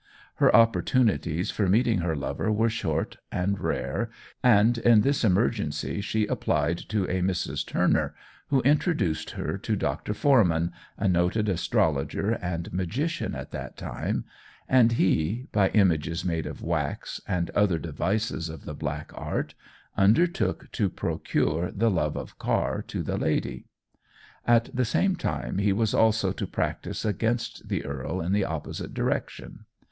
Her opportunities for meeting her lover were short and rare, and in this emergency she applied to a Mrs. Turner, who introduced her to Dr. Forman, a noted astrologer and magician at that time, and he, by images made of wax, and other devices of the black art, undertook to procure the love of Carr to the lady. At the same time he was also to practise against the earl in the opposite direction.